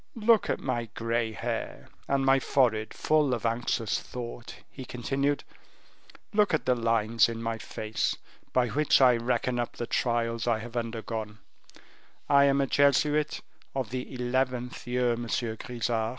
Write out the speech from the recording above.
"Look at my grey hair, and my forehead, full of anxious thought," he continued: "look at the lines in my face, by which I reckon up the trials I have undergone; I am a Jesuit of the eleventh year, Monsieur Grisart."